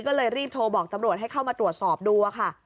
ก็เลยรีบโทรบอกตำรวจให้เข้ามาตรวจสอบดูค่ะ